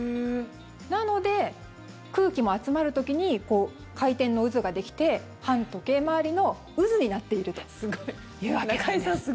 なので、空気も集まる時に回転の渦ができて反時計回りの渦になっているというわけなんです。